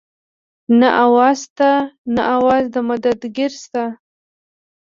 نه اواز شته نه اواز د مدد ګير شته